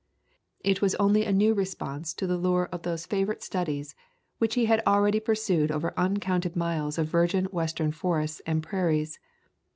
It was only a new response to the lure of those favor ite studies which he had already pursued over uncounted miles of virgin Western forests and prairies.